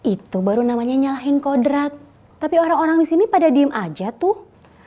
itu baru namanya nyalahin kodrat tapi orang orang di sini pada diem aja tuh